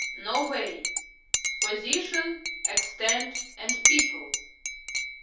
NORWAY H Position, Extent, and People.